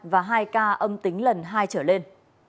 và hai ca âm tính lần hai trở lên